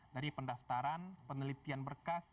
dari pendaftaran penelitian berkas